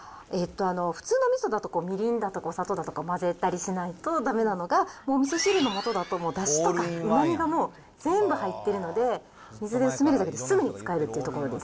普通のみそだとみりんだとかお砂糖だとか混ぜたりしないとだめなのが、みそ汁のもとだとだしとかうまみがもう全部入っているので、水で薄めるだけですぐに使えるということで。